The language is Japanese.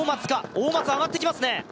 大松上がってきますね